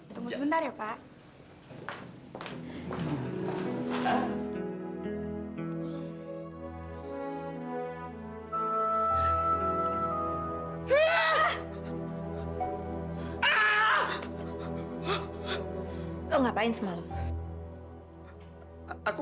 tunggu sebentar ya pak